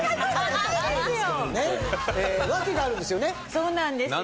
そうなんですよ。